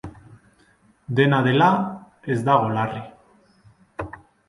Dena dela, ez dago larri.